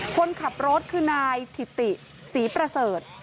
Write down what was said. คนขับรถคือนายถิติศรีประเสริฐ